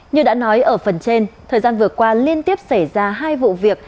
như đã nói ở phần trên thời gian vừa qua liên tiếp xảy ra hai vụ việc